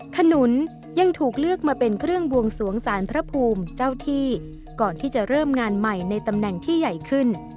ขนุนยังถูกเลือกมาเป็นเครื่องบวงสวงสารพระภูมิเจ้าที่ก่อนที่จะเริ่มงานใหม่ในตำแหน่งที่ใหญ่ขึ้น